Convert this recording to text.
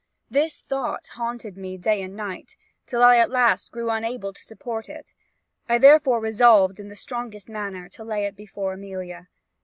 "This thought haunted me night and day, till I at last grew unable to support it: I therefore resolved in the strongest manner, to lay it before Amelia.